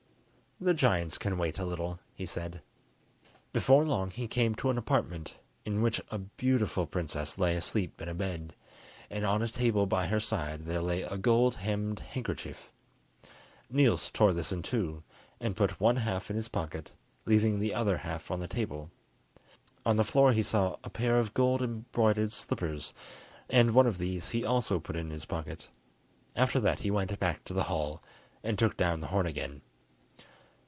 "The giants can wait a little," he said. Before long he came to an apartment in which a beautiful princess lay asleep in a bed, and on a table by her side there lay a gold hemmed handkerchief. Niels tore this in two, and put one half in his pocket, leaving the other half on the table. On the floor he saw a pair of gold embroidered slippers, and one of these he also put in his pocket. After that he went back to the hall, and took down the horn again.